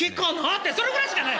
ってそれぐらいしかない。